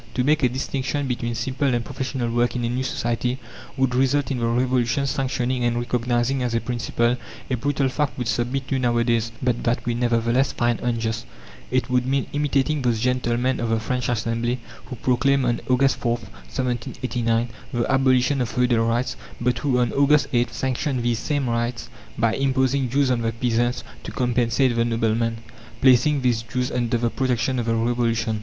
To make a distinction between simple and professional work in a new society would result in the Revolution sanctioning and recognizing as a principle a brutal fact we submit to nowadays, but that we nevertheless find unjust. It would mean imitating those gentlemen of the French Assembly who proclaimed on August 4th, 1789, the abolition of feudal rights, but who on August 8th sanctioned these same rights by imposing dues on the peasants to compensate the noblemen, placing these dues under the protection of the Revolution.